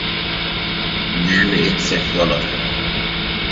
Näme etsek bolar?